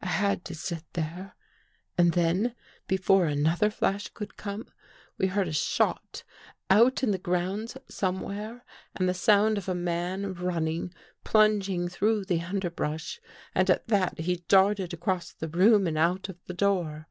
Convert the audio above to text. I had to sit there. And then, be fore another flash could come, we heard a shot out in the grounds somewhere and the sound of a man run ning, plunging through the underbrush. At that he darted across the room and out of the door.